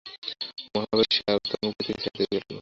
মহাবেগে সে আরব-তরঙ্গ পৃথিবী ছাইতে লাগল।